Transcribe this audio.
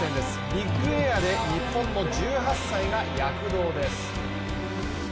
ビッグエアで日本の１８歳が躍動です。